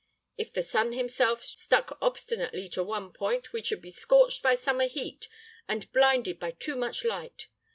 If the Sun himself stuck obstinately to one point, we should be scorched by summer heat, and blinded by too much light.